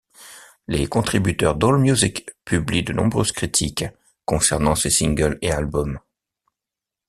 Les contributeurs d'AllMusic publient de nombreuses critiques concernant ses singles et albums.